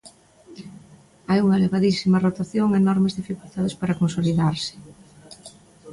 Hai unha elevadísima rotación e enormes dificultades para consolidarse.